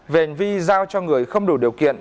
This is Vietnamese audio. về hành vi giao cho người không đủ điều kiện